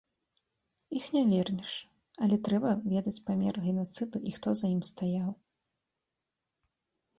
Іх не вернеш, але трэба ведаць памер генацыду і хто за ім стаяў.